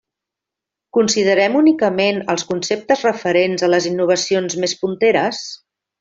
Considerem únicament els conceptes referents a les innovacions més punteres?